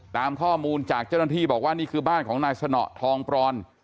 ตามข้อมูลจากเจ้าหน้าที่บอกว่านี่คือบ้านของนายสนทองปรอน